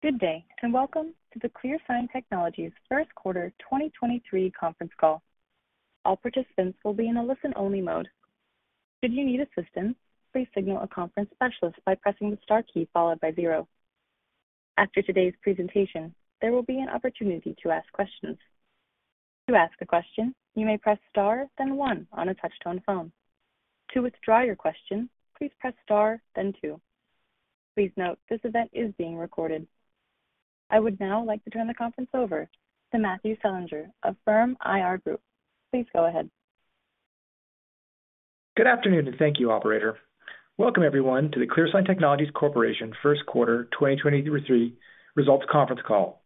Good day, welcome to the ClearSign Technologies first quarter 2023 conference call. All participants will be in a listen-only mode. Should you need assistance, please signal a conference specialist by pressing the star key followed by zero. After today's presentation, there will be an opportunity to ask questions. To ask a question, you may press star then one on a touch-tone phone. To withdraw your question, please press star then two. Please note this event is being recorded. I would now like to turn the conference over to Matthew Selinger of Firm IR Group. Please go ahead.t Good afternoon. Thank you, operator. Welcome everyone to the ClearSign Technologies Corporation first quarter 2023 results conference call.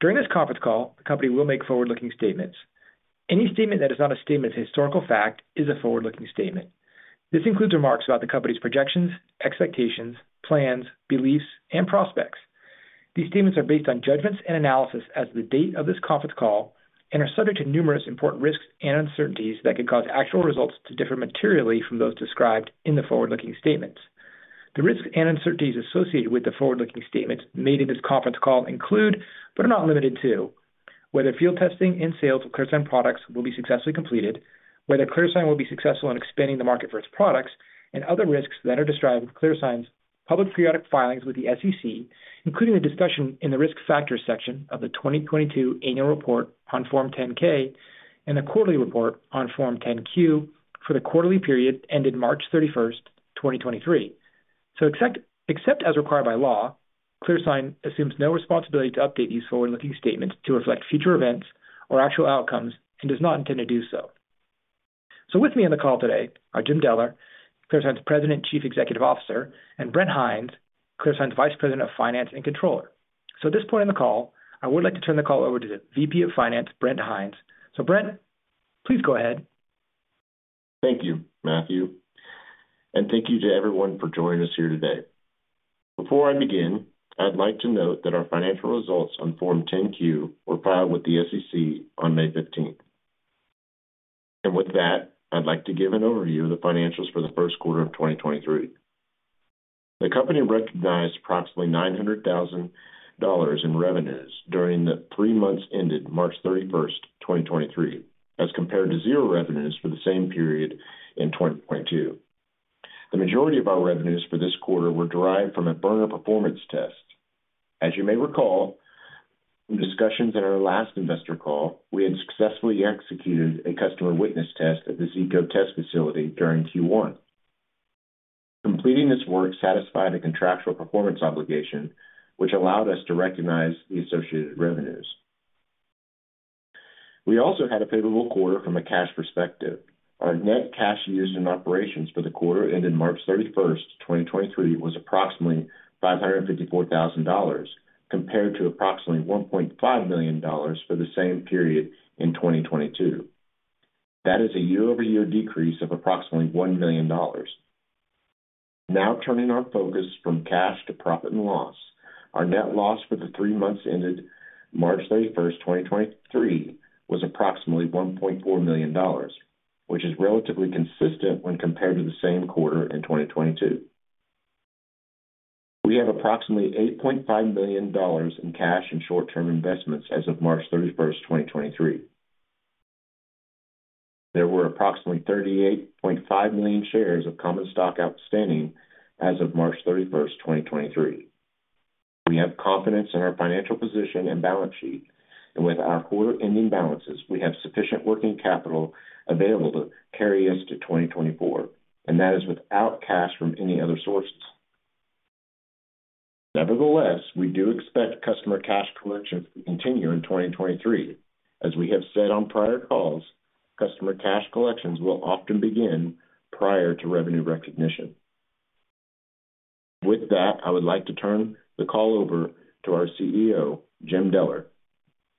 During this conference call, the company will make forward-looking statements. Any statement that is not a statement of historical fact is a forward-looking statement. This includes remarks about the company's projections, expectations, plans, beliefs, and prospects. These statements are based on judgments and analysis as of the date of this conference call and are subject to numerous important risks and uncertainties that could cause actual results to differ materially from those described in the forward-looking statements. The risks and uncertainties associated with the forward-looking statements made in this conference call include, but are not limited to, whether field testing and sales of ClearSign products will be successfully completed, whether ClearSign will be successful in expanding the market for its products, and other risks that are described in ClearSign's public periodic filings with the SEC, including the discussion in the risk factors section of the 2022 annual report on Form 10-K and the quarterly report on Form 10-Q for the quarterly period ended March 31st, 2023. Except as required by law, ClearSign assumes no responsibility to update these forward-looking statements to reflect future events or actual outcomes and does not intend to do so. With me on the call today are Jim Deller, ClearSign's President and Chief Executive Officer, and Brent Hinds, ClearSign's Vice President of Finance and Controller. At this point in the call, I would like to turn the call over to the VP of Finance, Brent Hinds. Brent, please go ahead. Thank you, Matthew, and thank you to everyone for joining us here today. Before I begin, I'd like to note that our financial results on Form 10-Q were filed with the SEC on May 15th. With that, I'd like to give an overview of the financials for the first quarter of 2023. The company recognized approximately $900,000 in revenues during the three months ended March 31st, 2023, as compared to $0 revenues for the same period in 2022. The majority of our revenues for this quarter were derived from a burner performance test. As you may recall from discussions in our last investor call, we had successfully executed a customer witness test at the Zeeco test facility during Q1. Completing this work satisfied a contractual performance obligation, which allowed us to recognize the associated revenues. We also had a favorable quarter from a cash perspective. Our net cash used in operations for the quarter ended March 31, 2023, was approximately $554,000, compared to approximately $1.5 million for the same period in 2022. That is a year-over-year decrease of approximately $1 million. Turning our focus from cash to profit and loss. Our net loss for the three months ended March 31st, 2023, was approximately $1.4 million, which is relatively consistent when compared to the same quarter in 2022. We have approximately $8.5 million in cash and short-term investments as of March 31st, 2023. There were approximately 38.5 million shares of common stock outstanding as of March 31st, 2023. We have confidence in our financial position and balance sheet, and with our quarter-ending balances, we have sufficient working capital available to carry us to 2024, and that is without cash from any other sources. Nevertheless, we do expect customer cash collections to continue in 2023. As we have said on prior calls, customer cash collections will often begin prior to revenue recognition. With that, I would like to turn the call over to our CEO, Jim Deller.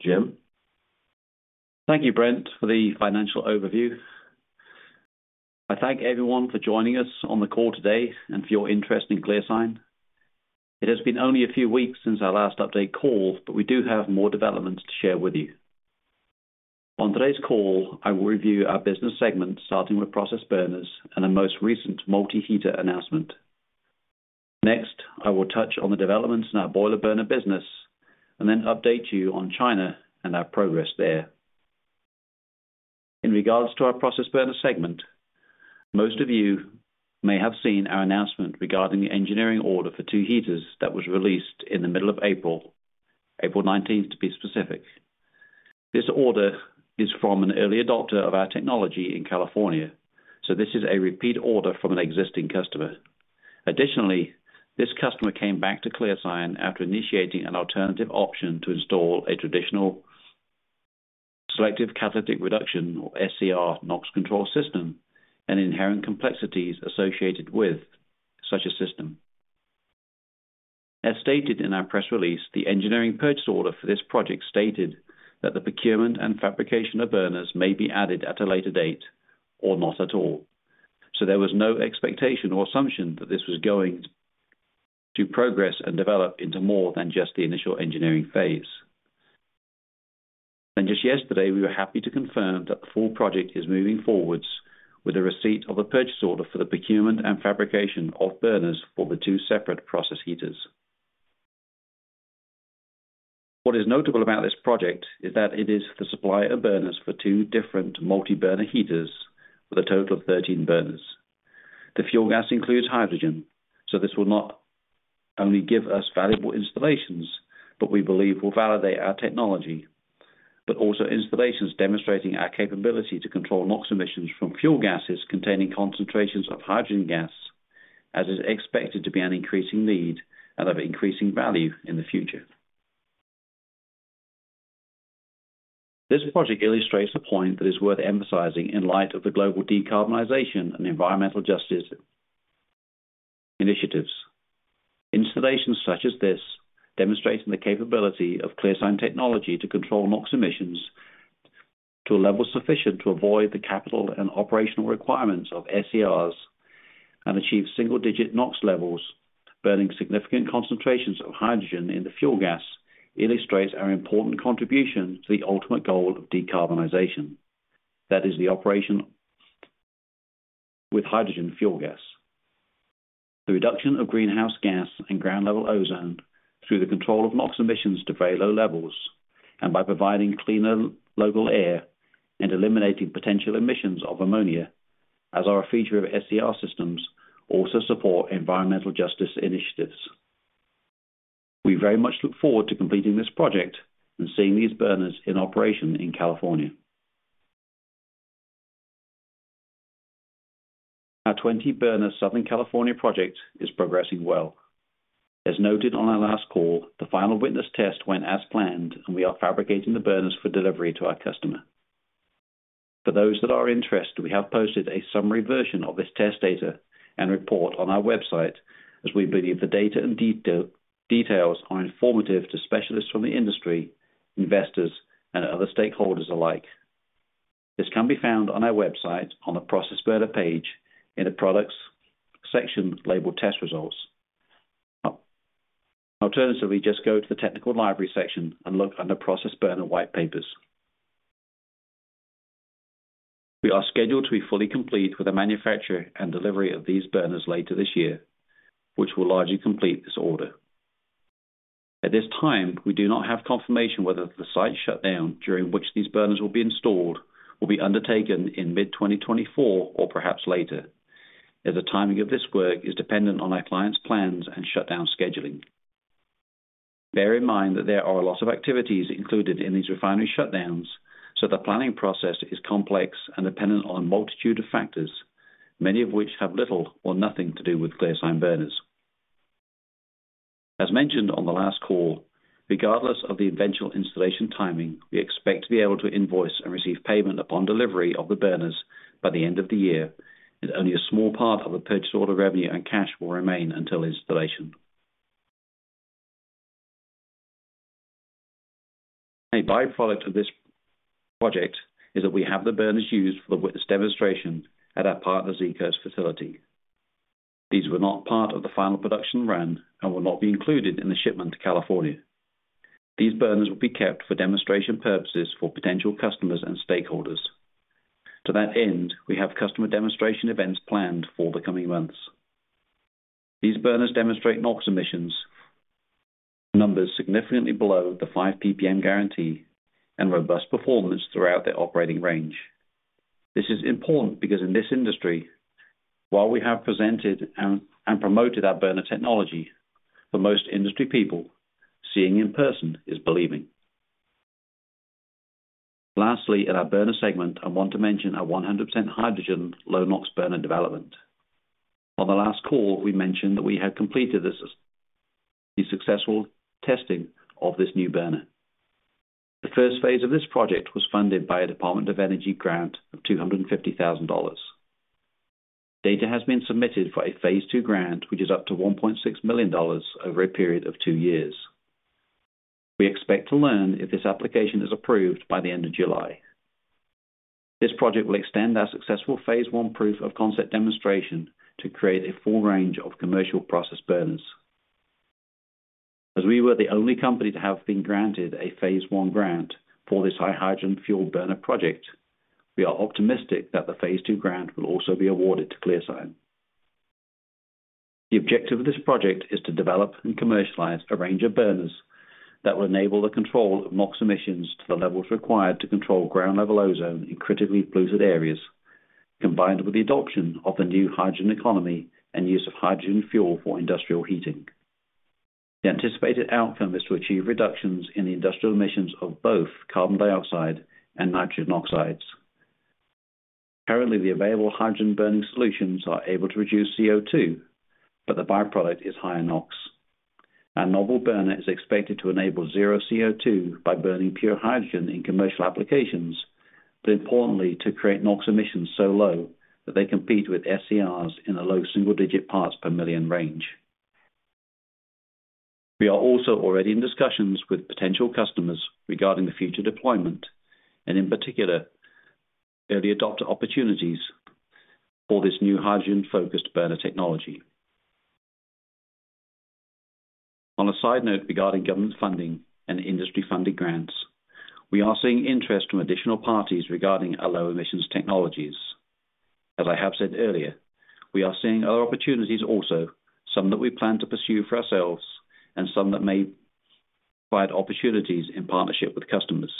Jim? Thank you, Brent, for the financial overview. I thank everyone for joining us on the call today and for your interest in ClearSign. It has been only a few weeks since our last update call, but we do have more developments to share with you. On today's call, I will review our business segment, starting with process burners and our most recent multi-heater announcement. Next, I will touch on the developments in our boiler burner business and then update you on China and our progress there. In regards to our process burner segment, most of you may have seen our announcement regarding the engineering order for two heaters that was released in the middle of April. April 19th, to be specific. This order is from an early adopter of our technology in California, so this is a repeat order from an existing customer. Additionally, this customer came back to ClearSign after initiating an alternative option to install a traditional selective catalytic reduction, or SCR, NOx control system and inherent complexities associated with such a system. As stated in our press release, the engineering purchase order for this project stated that the procurement and fabrication of burners may be added at a later date or not at all. There was no expectation or assumption that this was going to progress and develop into more than just the initial engineering phase. Just yesterday, we were happy to confirm that the full project is moving forwards with a receipt of a purchase order for the procurement and fabrication of burners for the two separate process heaters. What is notable about this project is that it is the supply of burners for two different multi-burner heaters with a total of 13 burners. The fuel gas includes hydrogen, this will not only give us valuable installations, but we believe will validate our technology, but also installations demonstrating our capability to control NOx emissions from fuel gases containing concentrations of hydrogen gas, as is expected to be an increasing need and of increasing value in the future. This project illustrates a point that is worth emphasizing in light of the global decarbonization and environmental justice initiatives. Installations such as this, demonstrating the capability of ClearSign technology to control NOx emissions to a level sufficient to avoid the capital and operational requirements of SCRs and achieve single-digit NOx levels, burning significant concentrations of hydrogen in the fuel gas illustrates our important contribution to the ultimate goal of decarbonization. That is the operation with hydrogen fuel gas. The reduction of greenhouse gas and ground-level ozone through the control of NOx emissions to very low levels and by providing cleaner local air and eliminating potential emissions of ammonia, as are a feature of SCR systems, also support environmental justice initiatives. We very much look forward to completing this project and seeing these burners in operation in California. Our 20-burner Southern California project is progressing well. As noted on our last call, the final witness test went as planned, we are fabricating the burners for delivery to our customer. For those that are interested, we have posted a summary version of this test data and report on our website, as we believe the data and details are informative to specialists from the industry, investors, and other stakeholders alike. This can be found on our website on the Process Burner page in the Products section labeled Test Results. Alternatively, just go to the Technical Library section and look under Process Burner White Papers. We are scheduled to be fully complete with the manufacture and delivery of these burners later this year, which will largely complete this order. At this time, we do not have confirmation whether the site shutdown during which these burners will be installed will be undertaken in mid-2024 or perhaps later, as the timing of this work is dependent on our client's plans and shutdown scheduling. Bear in mind that there are a lot of activities included in these refinery shutdowns, so the planning process is complex and dependent on a multitude of factors, many of which have little or nothing to do with ClearSign burners. As mentioned on the last call, regardless of the eventual installation timing, we expect to be able to invoice and receive payment upon delivery of the burners by the end of the year, as only a small part of the purchase order revenue and cash will remain until installation. A byproduct of this project is that we have the burners used for the witness demonstration at our partner Zeeco's facility. These were not part of the final production run and will not be included in the shipment to California. These burners will be kept for demonstration purposes for potential customers and stakeholders. To that end, we have customer demonstration events planned for the coming months. These burners demonstrate NOx emissions numbers significantly below the five PPM guarantee and robust performance throughout their operating range. This is important because in this industry, while we have presented and promoted our burner technology, for most industry people, seeing in person is believing. Lastly, in our burner segment, I want to mention our 100% hydrogen low NOx burner development. On the last call, we mentioned that we had completed the successful testing of this new burner. The first phase of this project was funded by a Department of Energy grant of $250,000. Data has been submitted for a phase II grant, which is up to $1.6 million over a period of two years. We expect to learn if this application is approved by the end of July. This project will extend our successful phase I proof of concept demonstration to create a full range of commercial process burners. As we were the only company to have been granted a phase I grant for this high hydrogen fuel burner project, we are optimistic that the phase two grant will also be awarded to ClearSign. The objective of this project is to develop and commercialize a range of burners that will enable the control of NOx emissions to the levels required to control ground-level ozone in critically polluted areas, combined with the adoption of the new hydrogen economy and use of hydrogen fuel for industrial heating. The anticipated outcome is to achieve reductions in the industrial emissions of both carbon dioxide and nitrogen oxides. Currently, the available hydrogen burning solutions are able to reduce CO2, but the byproduct is higher NOx. Our novel burner is expected to enable zero CO2 by burning pure hydrogen in commercial applications, but importantly, to create NOx emissions so low that they compete with SCRs in a low single-digit parts per million range. We are also already in discussions with potential customers regarding the future deployment, and in particular, early adopter opportunities for this new hydrogen-focused burner technology. On a side note regarding government funding and industry-funded grants, we are seeing interest from additional parties regarding our low emissions technologies. As I have said earlier, we are seeing other opportunities also, some that we plan to pursue for ourselves and some that may provide opportunities in partnership with customers.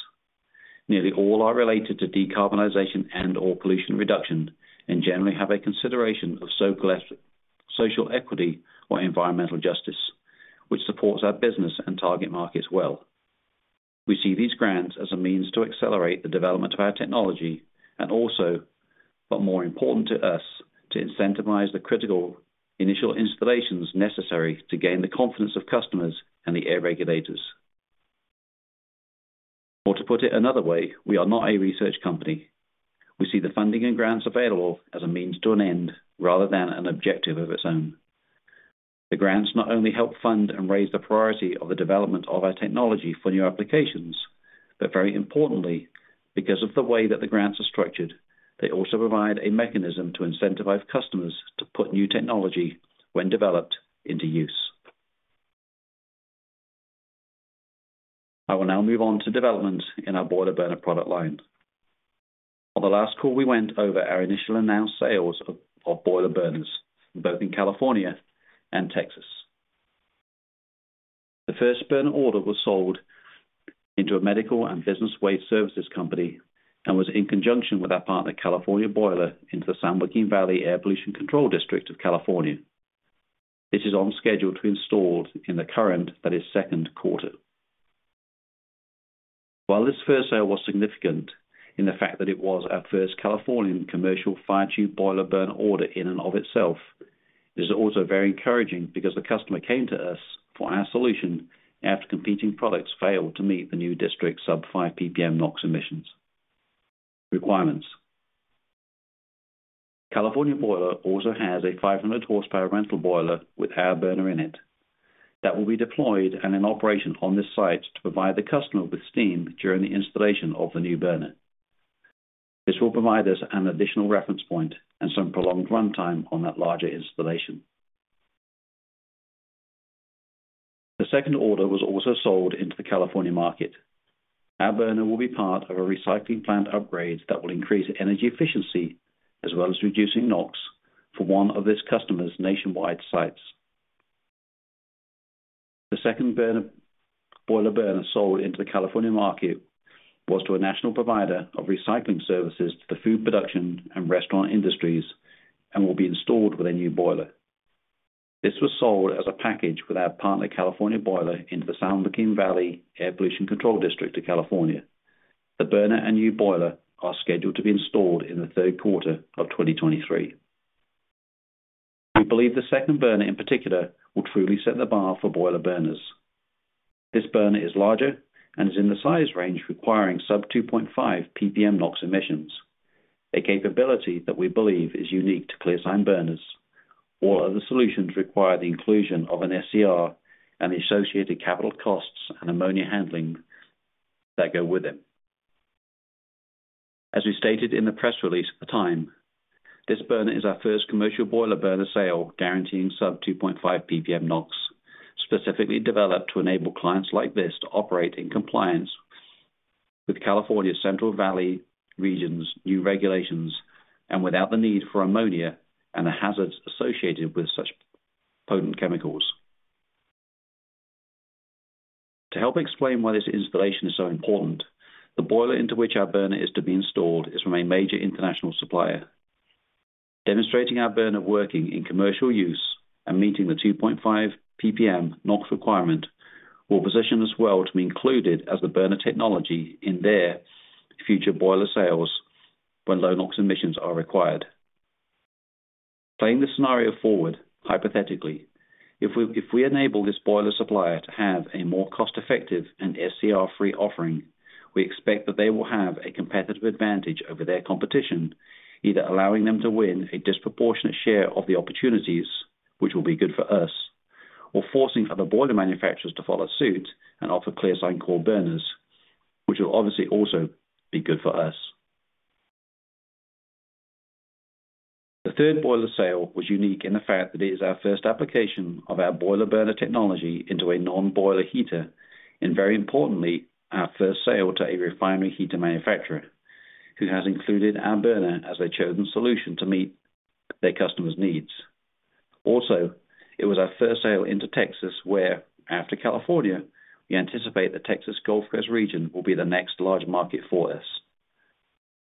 Nearly all are related to decarbonization and or pollution reduction, and generally have a consideration of social equity or environmental justice, which supports our business and target markets well. We see these grants as a means to accelerate the development of our technology and also, but more important to us, to incentivize the critical initial installations necessary to gain the confidence of customers and the air regulators. To put it another way, we are not a research company. We see the funding and grants available as a means to an end rather than an objective of its own. The grants not only help fund and raise the priority of the development of our technology for new applications, but very importantly, because of the way that the grants are structured, they also provide a mechanism to incentivize customers to put new technology when developed into use. I will now move on to development in our boiler burner product line. On the last call, we went over our initial announced sales of boiler burners, both in California and Texas. The first burner order was sold into a medical and business waste services company and was in conjunction with our partner, California Boiler, into the San Joaquin Valley Air Pollution Control District of California. This is on schedule to be installed in the current, that is second quarter. While this first sale was significant in the fact that it was our first Californian commercial fire-tube boiler burner order in and of itself, it is also very encouraging because the customer came to us for our solution after competing products failed to meet the new district sub five PPM NOx emissions requirements. California Boiler also has a 500 horsepower rental boiler with our burner in it that will be deployed and in operation on this site to provide the customer with steam during the installation of the new burner. This will provide us an additional reference point and some prolonged runtime on that larger installation. The second order was also sold into the California market. Our burner will be part of a recycling plant upgrade that will increase energy efficiency as well as reducing NOx for one of this customer's nationwide sites. The second boiler burner sold into the California market was to a national provider of recycling services to the food production and restaurant industries, and will be installed with a new boiler. This was sold as a package with our partner, California Boiler, into the San Joaquin Valley Air Pollution Control District of California. The burner and new boiler are scheduled to be installed in the third quarter of 2023. We believe the second burner in particular will truly set the bar for boiler burners. This burner is larger and is in the size range requiring sub two point five PPM NOx emissions, a capability that we believe is unique to ClearSign burners. All other solutions require the inclusion of an SCR and the associated capital costs and ammonia handling that go with it. As we stated in the press release at the time, this burner is our first commercial boiler burner sale guaranteeing sub two point five PPM NOx, specifically developed to enable clients like this to operate in compliance with California's Central Valley region's new regulations and without the need for ammonia and the hazards associated with such potent chemicals. To help explain why this installation is so important, the boiler into which our burner is to be installed is from a major international supplier. Demonstrating our burner working in commercial use and meeting the two point five PPM NOx requirement will position us well to be included as the burner technology in their future boiler sales when low NOx emissions are required. Playing this scenario forward, hypothetically, if we enable this boiler supplier to have a more cost-effective and SCR-free offering, we expect that they will have a competitive advantage over their competition, either allowing them to win a disproportionate share of the opportunities, which will be good for us, or forcing other boiler manufacturers to follow suit and offer ClearSign Core burners. Which will obviously also be good for us. The third boiler sale was unique in the fact that it is our first application of our boiler burner technology into a non-boiler heater, and very importantly, our first sale to a refinery heater manufacturer who has included our burner as a chosen solution to meet their customer's needs. It was our first sale into Texas, where after California, we anticipate the Texas Gulf Coast region will be the next large market for us.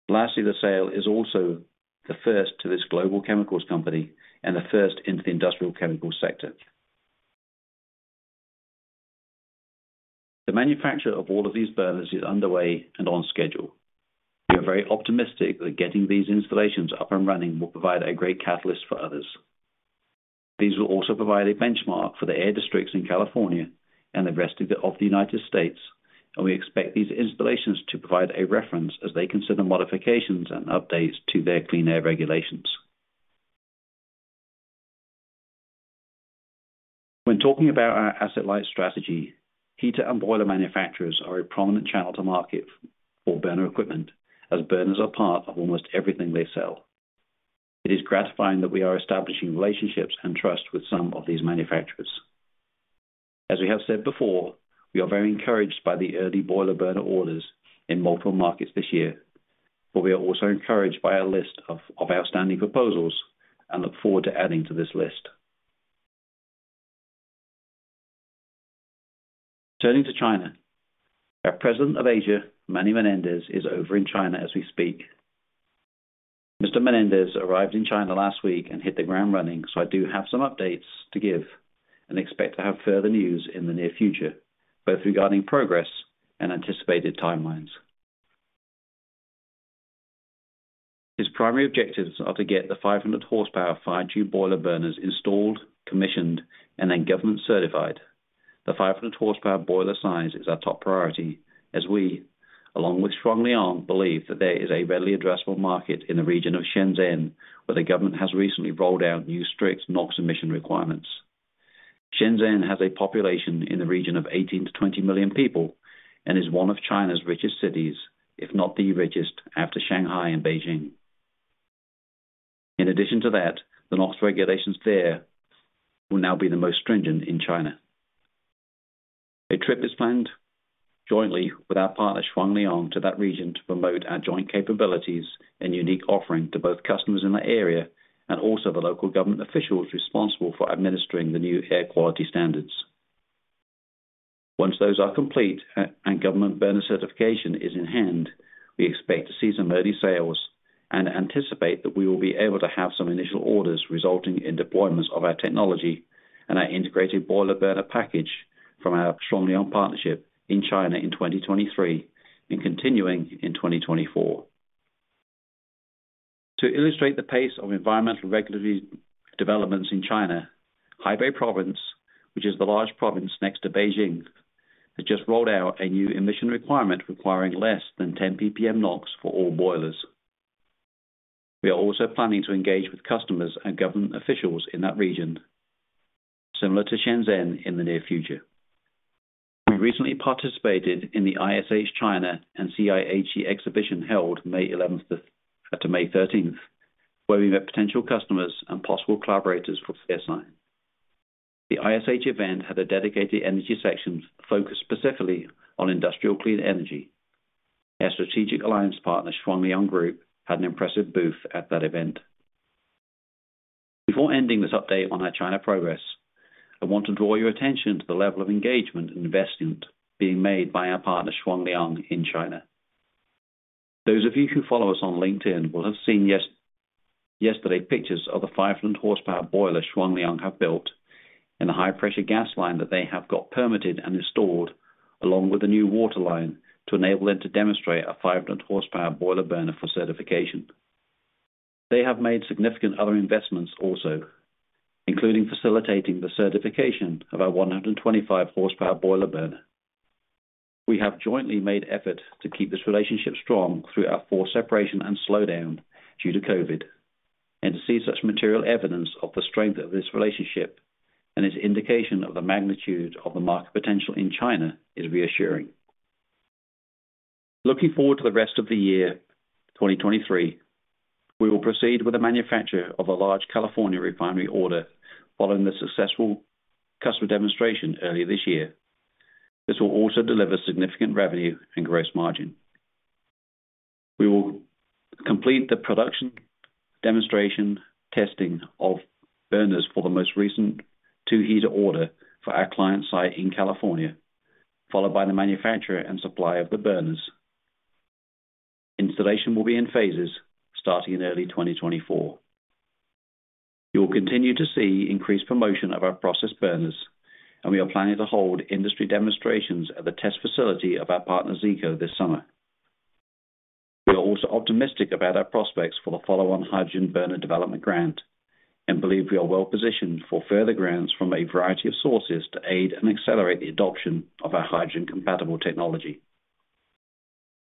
The sale is also the first to this global chemicals company and the first into the industrial chemicals sector. The manufacture of all of these burners is underway and on schedule. We are very optimistic that getting these installations up and running will provide a great catalyst for others. These will also provide a benchmark for the air districts in California and the rest of the United States. We expect these installations to provide a reference as they consider modifications and updates to their clean air regulations. When talking about our asset-light strategy, heater and boiler manufacturers are a prominent channel to market for burner equipment, as burners are part of almost everything they sell. It is gratifying that we are establishing relationships and trust with some of these manufacturers. As we have said before, we are very encouraged by the early boiler burner orders in multiple markets this year. We are also encouraged by our list of outstanding proposals and look forward to adding to this list. Turning to China. Our President of Asia, Manny Menendez, is over in China as we speak. Menendez arrived in China last week and hit the ground running, I do have some updates to give and expect to have further news in the near future, both regarding progress and anticipated timelines. His primary objectives are to get the 500 horsepower fire-tube boiler burners installed, commissioned, and then government certified. The 500 horsepower boiler size is our top priority as we, along with Shuangliang, believe that there is a readily addressable market in the region of Shenzhen, where the government has recently rolled out new strict NOx emission requirements. Shenzhen has a population in the region of 18 million-20 million people and is one of China's richest cities, if not the richest, after Shanghai and Beijing. In addition to that, the NOx regulations there will now be the most stringent in China. A trip is planned jointly with our partner, Shuangliang, to that region to promote our joint capabilities and unique offering to both customers in the area and also the local government officials responsible for administering the new air quality standards. Once those are complete and government burner certification is in hand, we expect to see some early sales and anticipate that we will be able to have some initial orders resulting in deployments of our technology and our integrated boiler burner package from our Shuangliang partnership in China in 2023 and continuing in 2024. To illustrate the pace of environmental regulatory developments in China, Hebei Province, which is the large province next to Beijing, has just rolled out a new emission requirement requiring less than 10 ppm NOx for all boilers. We are also planning to engage with customers and government officials in that region, similar to Shenzhen in the near future. We recently participated in the ISH China & CIHE Exhibition held May 11th to May 13th, where we met potential customers and possible collaborators for ClearSign. The ISH event had a dedicated energy section focused specifically on industrial clean energy. Our strategic alliance partner, Shuangliang Group, had an impressive booth at that event. Before ending this update on our China progress, I want to draw your attention to the level of engagement and investment being made by our partner, Shuangliang, in China. Those of you who follow us on LinkedIn will have seen yesterday pictures of the 500 horsepower boiler Shuangliang have built and the high pressure gas line that they have got permitted and installed, along with a new water line to enable them to demonstrate a 500 horsepower boiler burner for certification. They have made significant other investments also, including facilitating the certification of our 125 horsepower boiler burner. We have jointly made effort to keep this relationship strong through our forced separation and slowdown due to COVID, and to see such material evidence of the strength of this relationship and its indication of the magnitude of the market potential in China is reassuring. Looking forward to the rest of the year 2023, we will proceed with the manufacture of a large California refinery order following the successful customer demonstration earlier this year. This will also deliver significant revenue and gross margin. We will complete the production demonstration testing of burners for the most recent 2 heater order for our client site in California, followed by the manufacturer and supplier of the burners. Installation will be in phases starting in early 2024. You will continue to see increased promotion of our process burners. We are planning to hold industry demonstrations at the test facility of our partner, Zeeco, this summer. We are also optimistic about our prospects for the follow on hydrogen burner development grant, and believe we are well positioned for further grants from a variety of sources to aid and accelerate the adoption of our hydrogen compatible technology.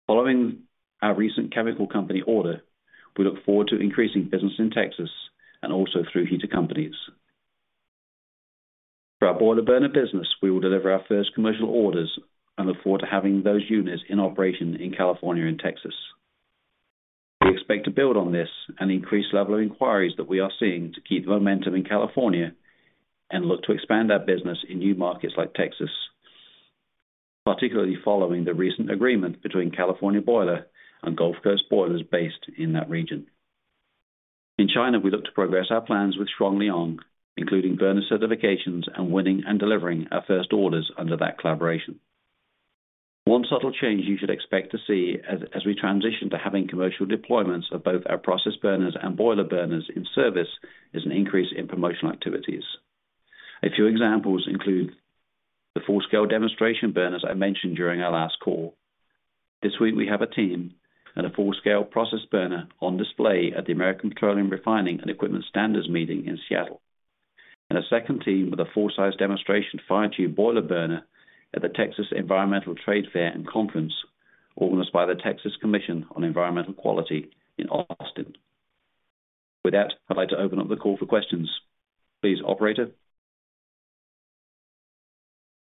Following our recent chemical company order, we look forward to increasing business in Texas and also through heater companies. For our boiler burner business, we will deliver our first commercial orders and look forward to having those units in operation in California and Texas. We expect to build on this and increase level of inquiries that we are seeing to keep momentum in California and look to expand our business in new markets like Texas, particularly following the recent agreement between California Boiler and Gulf Coast Boiler based in that region. In China, we look to progress our plans with Shuangliang, including burner certifications and winning and delivering our first orders under that collaboration. One subtle change you should expect to see as we transition to having commercial deployments of both our process burners and boiler burners in service, is an increase in promotional activities. A few examples include the full scale demonstration burners I mentioned during our last call. This week we have a team and a full scale process burner on display at the American Petroleum Refining and Equipment Standards Meeting in Seattle. A second team with a full size demonstration fire-tube boiler burner at the Texas Environmental Trade Fair and Conference organized by the Texas Commission on Environmental Quality in Austin. With that, I'd like to open up the call for questions. Please, operator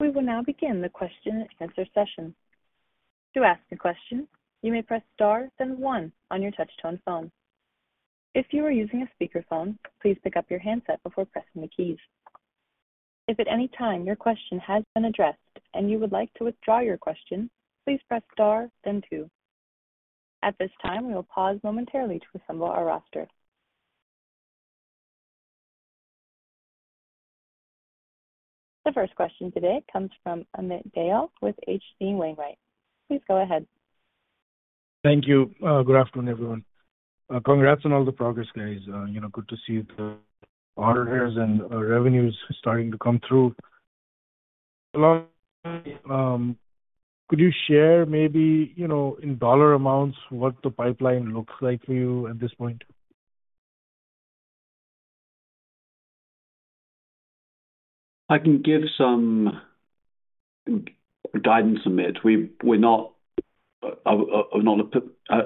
We will now begin the question and answer session. To ask a question, you may press star then one on your touch tone phone. If you are using a speakerphone, please pick up your handset before pressing the keys. If at any time your question has been addressed and you would like to withdraw your question, please press star then two. At this time, we will pause momentarily to assemble our roster. The first question today comes from Amit Dayal with H.C. Wainwright. Please go ahead. Thank you. Good afternoon, everyone. Congrats on all the progress, guys. you know, good to see the orders and revenues starting to come through. Along. Could you share maybe, you know, in dollar amounts, what the pipeline looks like for you at this point? I can give some guidance on it. We're not in a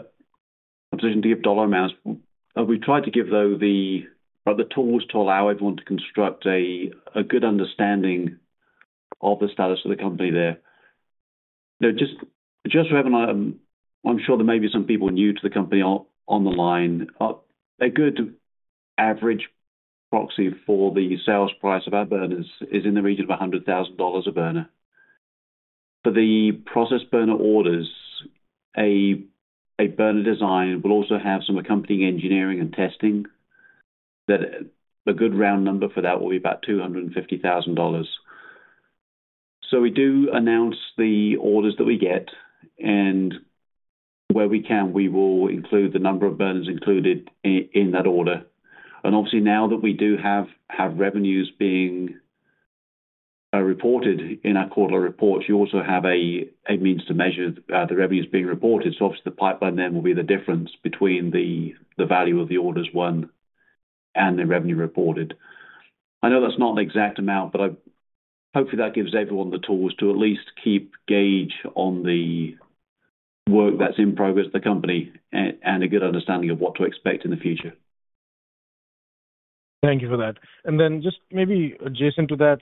position to give dollar amounts. We tried to give though the tools to allow everyone to construct a good understanding of the status of the company there. You know, just so everyone... I'm sure there may be some people new to the company on the line. A good average proxy for the sales price of our burners is in the region of $100,000 a burner. For the process burner orders, a burner design will also have some accompanying engineering and testing that a good round number for that will be about $250,000. We do announce the orders that we get and where we can, we will include the number of burners included in that order. Obviously, now that we do have revenues being reported in our quarterly report, you also have a means to measure the revenues being reported. Obviously, the pipeline then will be the difference between the value of the orders won and the revenue reported. I know that's not the exact amount, but I. Hopefully, that gives everyone the tools to at least keep gauge on the work that's in progress with the company and a good understanding of what to expect in the future. Thank you for that. Just maybe adjacent to that,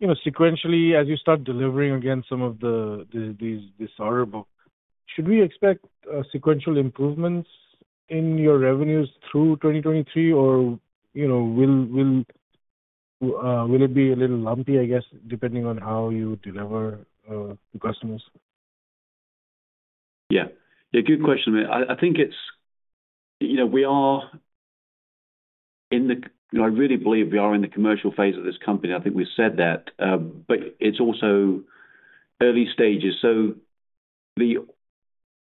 you know, sequentially, as you start delivering again some of the these, this order book, should we expect sequential improvements in your revenues through 2023? You know, will it be a little lumpy, I guess, depending on how you deliver to customers? Yeah. Yeah, good question. I think it's. You know, we are in the. I really believe we are in the commercial phase of this company. I think we've said that, but it's also early stages.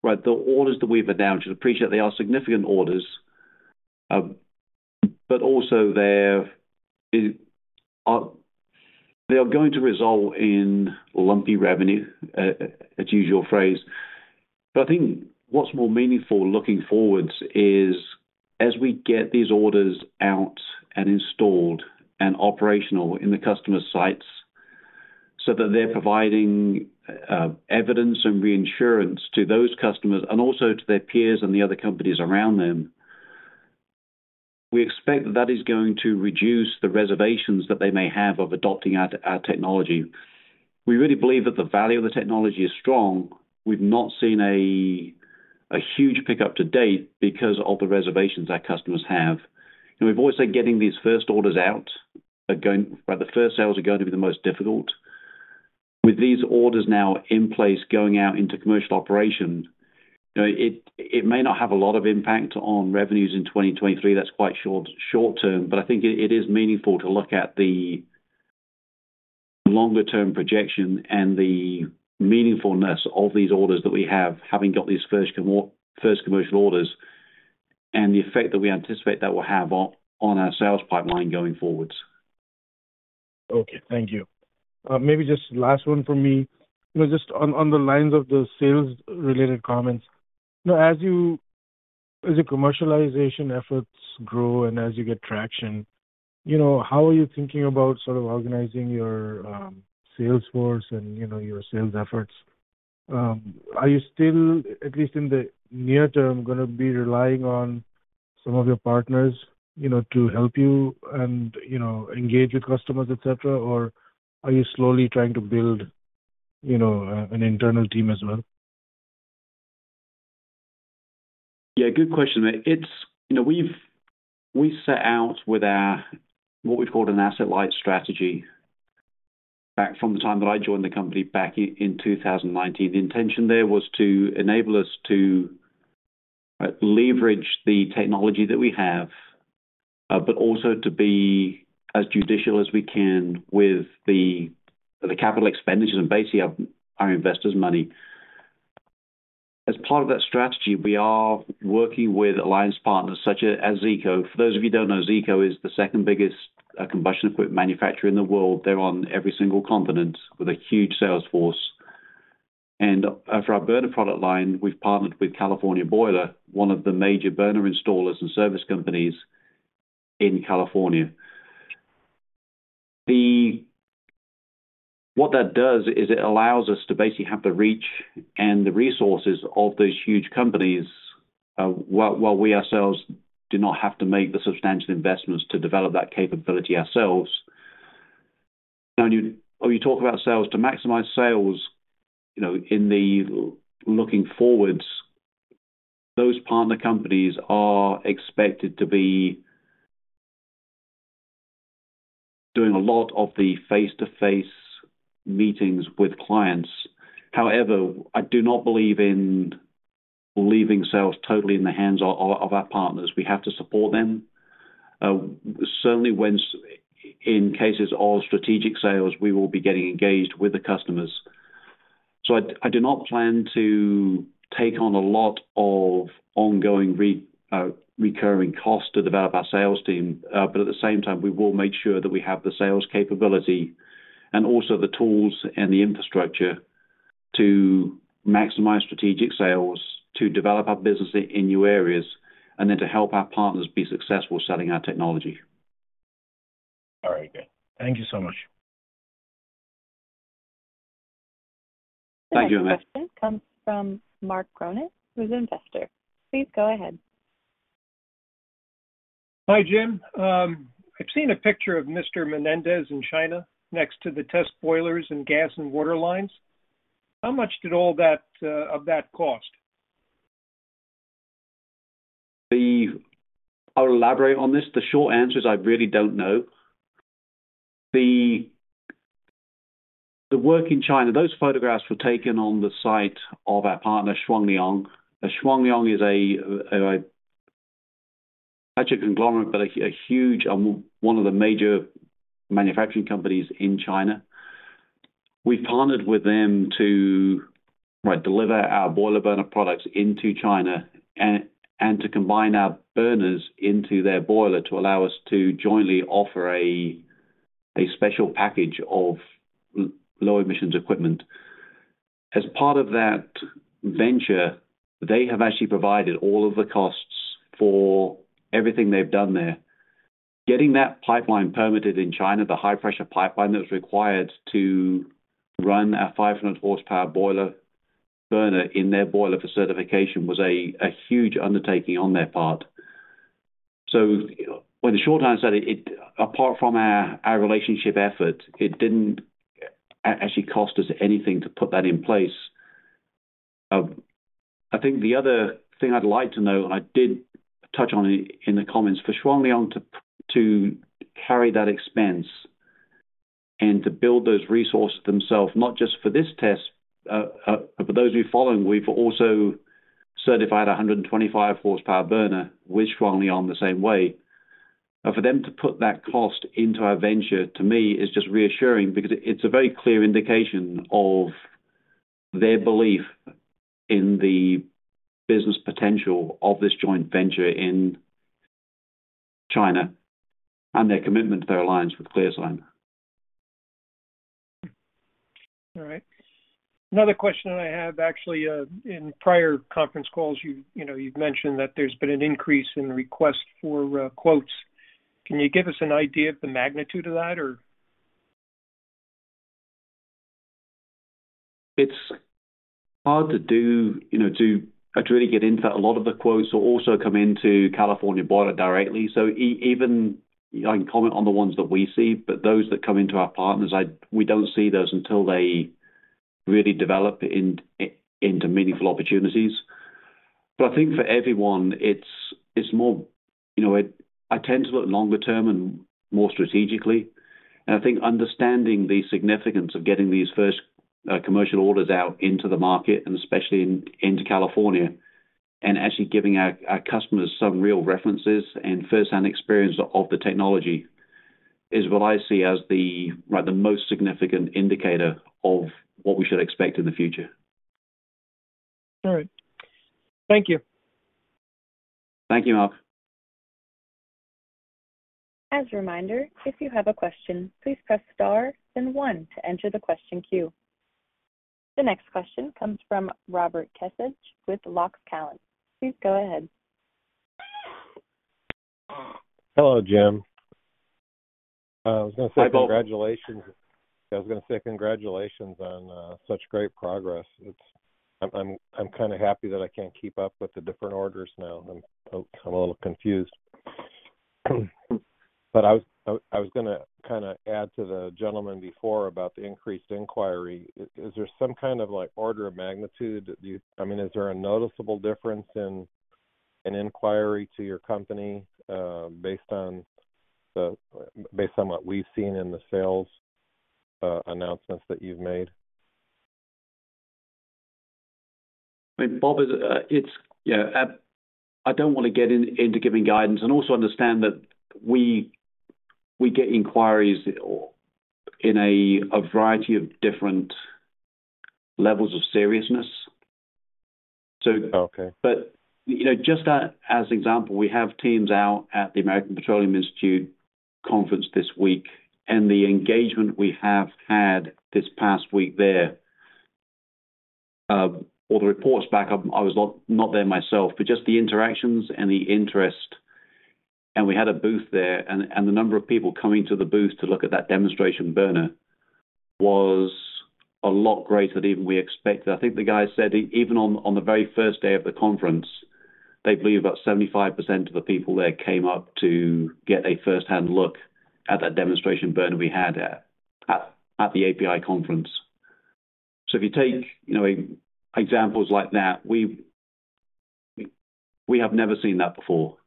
Well, the orders that we've announced, you should appreciate they are significant orders, but also they're, they are going to result in lumpy revenue, to use your phrase. I think what's more meaningful looking forwards is, as we get these orders out and installed and operational in the customer sites so that they're providing evidence and reinsurance to those customers and also to their peers and the other companies around them, we expect that is going to reduce the reservations that they may have of adopting our technology. We really believe that the value of the technology is strong. We've not seen a huge pickup to date because of the reservations our customers have. We've always said getting these first orders out. Well, the first sales are going to be the most difficult. With these orders now in place going out into commercial operation, you know, it may not have a lot of impact on revenues in 2023. That's quite short-term. I think it is meaningful to look at the longer-term projection and the meaningfulness of these orders that we have, having got these first commercial orders and the effect that we anticipate that will have on our sales pipeline going forwards. Okay. Thank you. Maybe just last one from me. You know, just on the lines of the sales-related comments. You know, as your commercialization efforts grow and as you get traction, you know, how are you thinking about sort of organizing your sales force and, you know, your sales efforts? Are you still, at least in the near term, gonna be relying on some of your partners, you know, to help you and, you know, engage with customers, et cetera? Or are you slowly trying to build, you know, an internal team as well? Yeah, good question. It's, you know, We set out with our, what we called an asset-light strategy back from the time that I joined the company back in 2019. The intention there was to enable us to leverage the technology that we have, but also to be as judicial as we can with the capital expenditures and basically our investors' money. As part of that strategy, we are working with alliance partners such as Zeeco. For those of you who don't know, Zeeco is the second biggest combustion equipment manufacturer in the world. They're on every single continent with a huge sales force. For our burner product line, we've partnered with California Boiler, one of the major burner installers and service companies in California. The What that does is it allows us to basically have the reach and the resources of those huge companies, while we ourselves do not have to make the substantial investments to develop that capability ourselves. When you talk about sales, to maximize sales, you know, in the looking forwards, those partner companies are expected to be doing a lot of the face-to-face meetings with clients. However, I do not believe in leaving sales totally in the hands of our partners. We have to support them. Certainly in cases of strategic sales, we will be getting engaged with the customers. I do not plan to take on a lot of ongoing recurring costs to develop our sales team, but at the same time, we will make sure that we have the sales capability and also the tools and the infrastructure to maximize strategic sales, to develop our business in new areas, and then to help our partners be successful selling our technology. All right, good. Thank you so much. Thank you, Amit. The next question comes from Mark Cronic with Investor. Please go ahead. Hi, Jim. I've seen a picture of Mr. Menendez in China next to the test boilers and gas and water lines. How much did all that of that cost? I'll elaborate on this. The short answer is I really don't know. The work in China, those photographs were taken on the site of our partner, Shuangliang. Shuangliang is a such a conglomerate, but a huge one of the major manufacturing companies in China. We partnered with them to, right, deliver our boiler burner products into China and to combine our burners into their boiler to allow us to jointly offer a special package of low emissions equipment. As part of that venture, they have actually provided all of the costs for everything they've done there. Getting that pipeline permitted in China, the high pressure pipeline that was required to run our 500 horsepower boiler burner in their boiler for certification, was a huge undertaking on their part. In the short time, it, apart from our relationship effort, it didn't actually cost us anything to put that in place. I think the other thing I'd like to know, and I did touch on it in the comments, for Shuangliang to carry that expense and to build those resources themselves, not just for this test, but those we following, we've also certified a 125 horsepower burner, with Shuangliang the same way. For them to put that cost into our venture, to me, is just reassuring because it's a very clear indication of their belief in the business potential of this joint venture in China and their commitment to their alliance with ClearSign. All right. Another question that I have actually, in prior conference calls, you know, you've mentioned that there's been an increase in request for quotes. Can you give us an idea of the magnitude of that or? It's hard to do, you know, to really get into. A lot of the quotes will also come into California Boiler directly. So even I can comment on the ones that we see, but those that come into our partners, I we don't see those until they really develop into meaningful opportunities. But I think for everyone, it's more, you know, I tend to look longer term and more strategically. And I think understanding the significance of getting these first commercial orders out into the market, and especially into California, and actually giving our customers some real references and first-hand experience of the technology is what I see as the, right, the most significant indicator of what we should expect in the future. All right. Thank you. Thank you, Mark. As a reminder, if you have a question, please press star then one to enter the question queue. The next question comes from Robert Kecseg with Las Colinas. Please go ahead. Hello, Jim. I was gonna say congratulations. Hi, Bob. I was gonna say congratulations on such great progress. I'm kinda happy that I can't keep up with the different orders now. I'm, oh, I'm a little confused. I was gonna kinda add to the gentleman before about the increased inquiry. Is there some kind of, like, order of magnitude that you, I mean, is there a noticeable difference in an inquiry to your company, based on what we've seen in the sales announcements that you've made? I mean, Bob, it's, you know, I don't wanna get into giving guidance and also understand that we get inquiries in a variety of different levels of seriousness. Okay. You know, just as example, we have teams out at the American Petroleum Institute conference this week, and the engagement we have had this past week there, all the reports back up, I was not there myself, but just the interactions and the interest. We had a booth there, and the number of people coming to the booth to look at that demonstration burner was a lot greater than even we expected. I think the guy said even on the very first day of the conference, they believe about 75% of the people there came up to get a first-hand look at that demonstration burner we had at the API conference. If you take, you know, examples like that, We have never seen that before.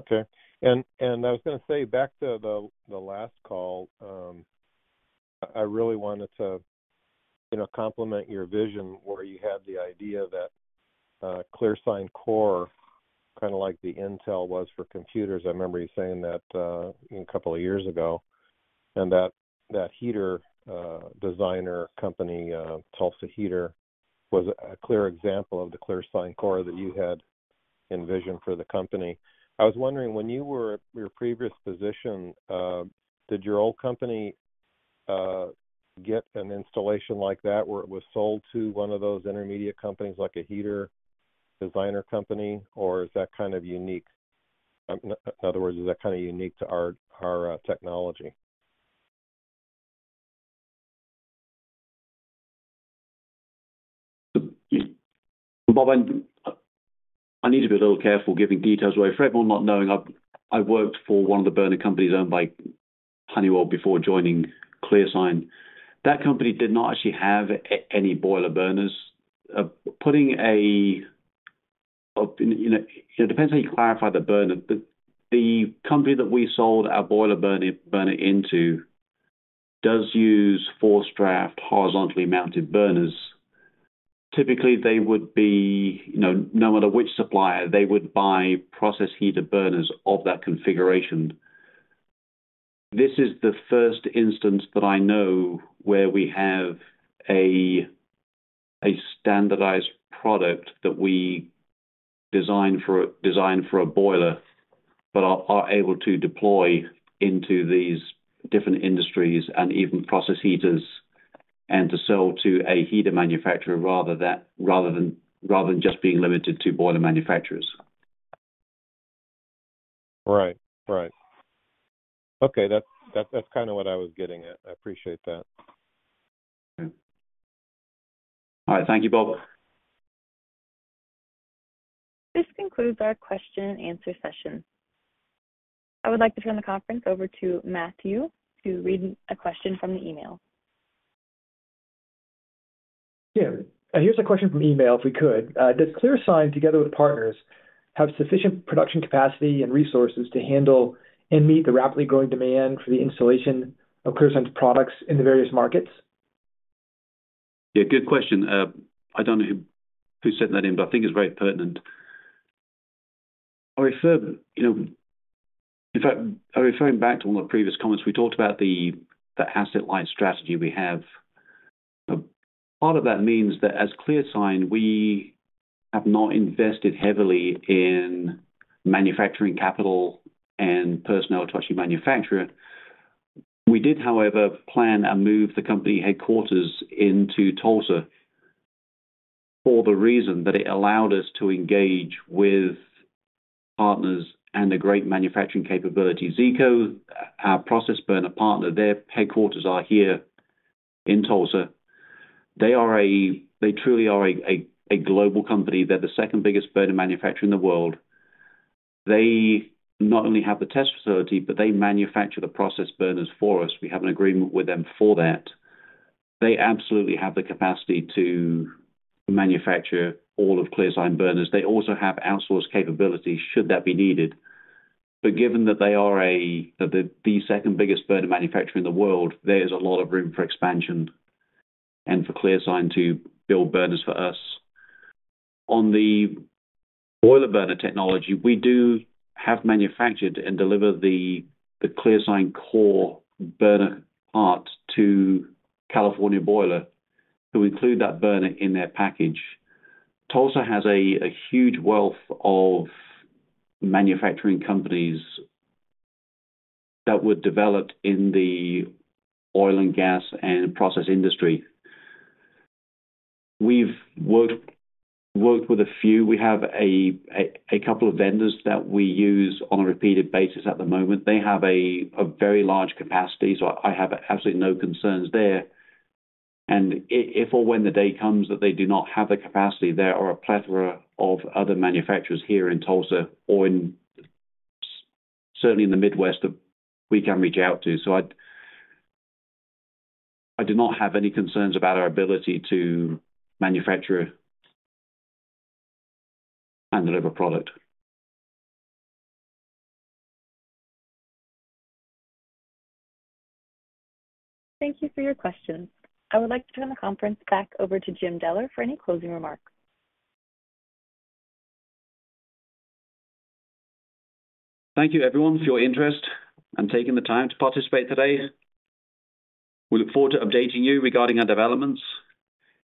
Okay. I was gonna say back to the last call, I really wanted to, you know, compliment your vision where you had the idea that ClearSign Core, kinda like the Intel was for computers. I remember you saying that a couple of years ago, that heater designer company, Tulsa Heater was a clear example of the ClearSign Core that you had envisioned for the company. I was wondering, when you were at your previous position, did your old company get an installation like that, where it was sold to one of those intermediate companies like a heater designer company, or is that kind of unique? In other words, is that kinda unique to our technology? Bob, I need to be a little careful giving details away. For everyone not knowing, I worked for one of the burner companies owned by Honeywell before joining ClearSign. That company did not actually have any boiler burners. Putting a, you know, it depends how you clarify the burner. The company that we sold our boiler burner into does use forced draft horizontally-mounted burners. Typically, they would be, you know, no matter which supplier, they would buy process heater burners of that configuration. This is the first instance that I know where we have a standardized product that we designed for a boiler, but are able to deploy into these different industries and even process heaters and to sell to a heater manufacturer rather than just being limited to boiler manufacturers. Right. Okay. That's kinda what I was getting at. I appreciate that. Yeah. All right. Thank you, Bob. This concludes our question and answer session. I would like to turn the conference over to Matthew to read a question from the email. Yeah. Here's a question from email, if we could. Does ClearSign, together with partners, have sufficient production capacity and resources to handle and meet the rapidly growing demand for the installation of ClearSign's products in the various markets? Good question. I don't know who sent that in, but I think it's very pertinent. I refer, you know. In fact, referring back to one of the previous comments. We talked about the asset-light strategy we have. Part of that means that as ClearSign, we have not invested heavily in manufacturing capital and personnel to actually manufacture it. We did, however, plan and move the company headquarters into Tulsa for the reason that it allowed us to engage with partners and the great manufacturing capabilities. Zeeco, our process burner partner, their headquarters are here in Tulsa. They truly are a global company. They're the second-biggest burner manufacturer in the world. They not only have the test facility, but they manufacture the process burners for us. We have an agreement with them for that. They absolutely have the capacity to manufacture all of ClearSign burners. They also have outsourced capabilities should that be needed. Given that they are the second-biggest burner manufacturer in the world, there is a lot of room for expansion and for ClearSign to build burners for us. On the boiler burner technology, we do have manufactured and delivered the ClearSign Core burner part to California Boiler, who include that burner in their package. Tulsa has a huge wealth of manufacturing companies that were developed in the oil and gas and process industry. We've worked with a few. We have a couple of vendors that we use on a repeated basis at the moment. They have a very large capacity, so I have absolutely no concerns there. If or when the day comes that they do not have the capacity, there are a plethora of other manufacturers here in Tulsa or in certainly in the Midwest that we can reach out to. I do not have any concerns about our ability to manufacture and deliver product. Thank you for your questions. I would like to turn the conference back over to Jim Deller for any closing remarks. Thank you, everyone, for your interest and taking the time to participate today. We look forward to updating you regarding our developments.